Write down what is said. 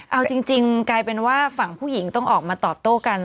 เอาจริงกลายเป็นว่าฝั่งผู้หญิงต้องออกมาตอบโต้กัน